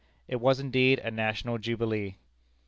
It was indeed a national jubilee.